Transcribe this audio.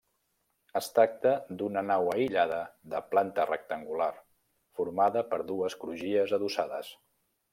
Es tracta d'una nau aïllada de planta rectangular, formada per dues crugies adossades.